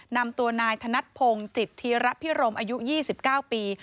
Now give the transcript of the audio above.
นำตัวนายธนัดพงศ์จิตธีระพิรมอายุ๒๙ปี